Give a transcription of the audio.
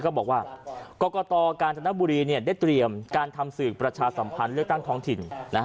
การจนบุรีก็บอกว่ากรกตการจนบุรีเนี่ยได้เตรียมการทำสืบประชาสัมพันธ์เลือกตั้งท้องถิ่น